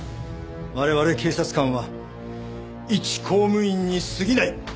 我々警察官は一公務員に過ぎない。